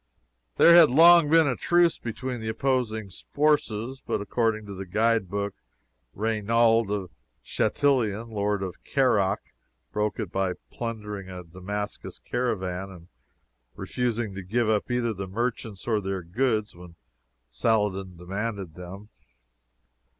There had long been a truce between the opposing forces, but according to the Guide Book, Raynauld of Chatillon, Lord of Kerak, broke it by plundering a Damascus caravan, and refusing to give up either the merchants or their goods when Saladin demanded them.